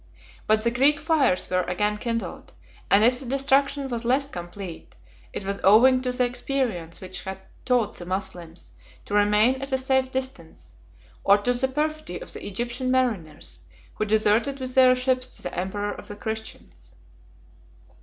But the Greek fires were again kindled; and if the destruction was less complete, it was owing to the experience which had taught the Moslems to remain at a safe distance, or to the perfidy of the Egyptian mariners, who deserted with their ships to the emperor of the Christians.